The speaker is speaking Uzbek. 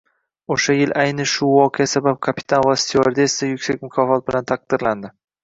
Oʻsha yil ayni shu voqea sabab kapitan va styuardessa yuksak mukofot bilan taqdirlandi.